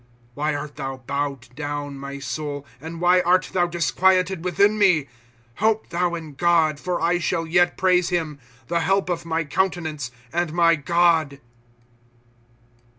^^ Why art thou bowed down, my soul, And why art thou disquieted within me ? Hope thou in God ; for I shall yet praise him. The help of my countenance, and my God.